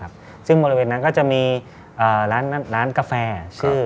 ครับตั้งแต่หลัง๑๑โมงมันต้นไปเริ่มบริการอาหารกลางวันจนถึงลึกเลย